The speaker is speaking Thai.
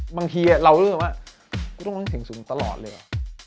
บางทีเรารู้สึกว่าว่ากูต้องเล่นสิ่งสูงตลอดเลย